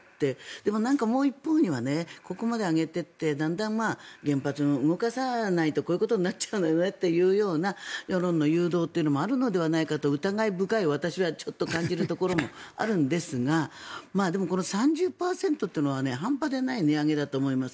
でも、もう一方にはここまで上げていってだんだん、原発を動かさないとこういうことになっちゃうのよねという世論の誘導というのもあるのではないかと疑い深い私はちょっと感じるところもあるんですがでも、この３０％っていうのは半端ではない値上げだと思います。